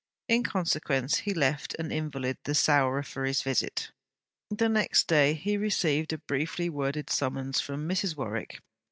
In consequence, he left an invalid the sourer for his visit. Next day he received a briefly worded summons from Mrs. Warwick.